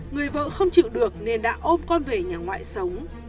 người vợ không chịu được nên đã ôm con về nhà ngoại sống